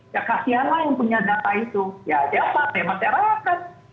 ya kasihan lah yang punya data itu ya dia pakai masyarakat